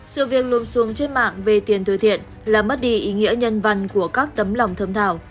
sự việc lùm xuống trên mạng về tiền từ thiện là mất đi ý nghĩa nhân văn của các tấm lòng thâm thảo